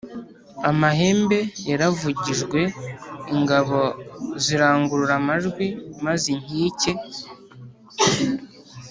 amahembe yaravugijwe ingabo zirangurura amajwi maze inkike